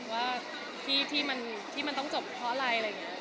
ว่าที่มันต้องจบเพราะอะไร